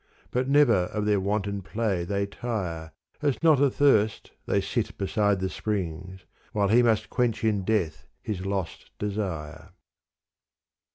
But never of their wanton play they tire As not athirst they sit beside the springs While he must quench in death his lost desire.